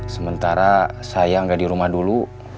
sementara saya nggak di rumah dulu